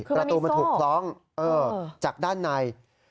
ประตูมันถูกคล้องจากด้านใน